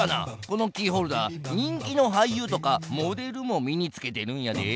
このキーホルダー人気のはいゆうとかモデルもみにつけてるんやで。